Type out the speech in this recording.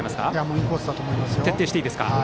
インコースだと思います。